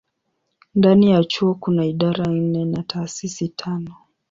Ndani ya chuo kuna idara nne na taasisi tano.